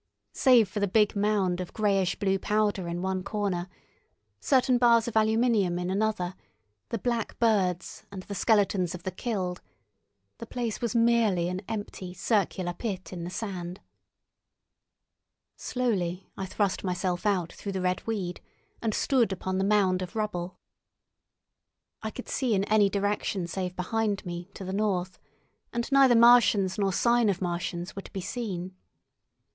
Save for the big mound of greyish blue powder in one corner, certain bars of aluminium in another, the black birds, and the skeletons of the killed, the place was merely an empty circular pit in the sand. Slowly I thrust myself out through the red weed, and stood upon the mound of rubble. I could see in any direction save behind me, to the north, and neither Martians nor sign of Martians were to be seen.